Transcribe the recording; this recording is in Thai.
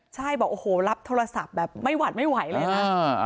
ใช่บอกโอ้โหรับโทรศัพท์แบบไม่หวัดไม่ไหวเลยค่ะ